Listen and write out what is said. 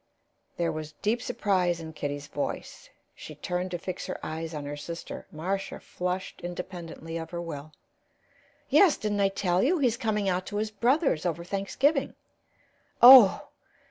There was deep surprise in Kitty's voice; she turned to fix her eyes on her sister. Marcia flushed independently of her will. "Yes didn't I tell you? He's coming out to his brother's over Thanksgiving." "Oh!"